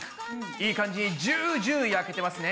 いい感じにジュージュー焼けてますね。